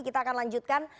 kita akan lanjutkan